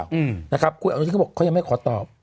คุณอาจารย์ก็บอกเขายังไม่ขอตอบ